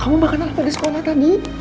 kamu makan apa di sekolah tadi